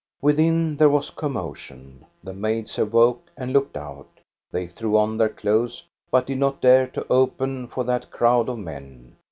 Within there was commotion. The maids awoke and looked out. They threw on their clothes, but did not dare to open for that crowd of men.